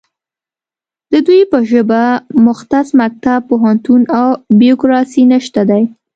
د دوی په ژبه مختص مکتب، پوهنتون او بیرکراسي نشته دی